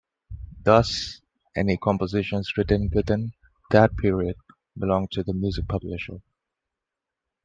Thus, any compositions written within that period belong to the music publisher.